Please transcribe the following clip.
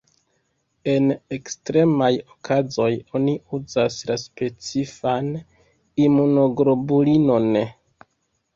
En ekstremaj okazoj oni uzas la specifan imunoglobulinon.